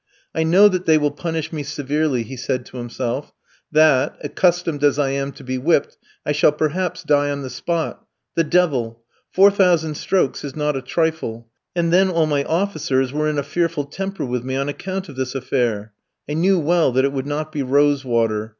"I know that they will punish me severely," he said to himself, "that, accustomed as I am to be whipped, I shall perhaps die on the spot. The devil! 4,000 strokes is not a trifle; and then all my officers were in a fearful temper with me on account of this affair. I knew well that it would not be 'rose water.'